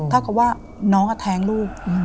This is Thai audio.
ถ้าเขาว่าน้องอะแท้งลูกอืม